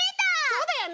そうだよね！